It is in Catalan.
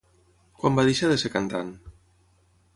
Quan va deixar de ser cantant?